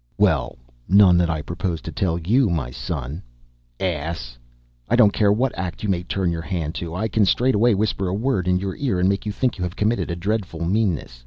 "Well, none that I propose to tell you, my son. Ass! I don't care what act you may turn your hand to, I can straightway whisper a word in your ear and make you think you have committed a dreadful meanness.